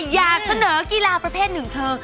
อยากเสนอกีฬาประเภทหนึ่งเธอ